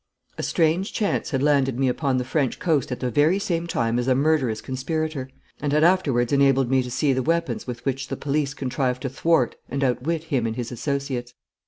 A strange chance had landed me upon the French coast at the very same time as a murderous conspirator, and had afterwards enabled me to see the weapons with which the police contrived to thwart and outwit him and his associates.